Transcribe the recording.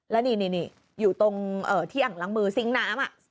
แล้วนี่อยู่ตรงที่อ่างล้างมือซิงค์น้ำ